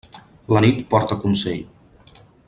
La nit porta consell.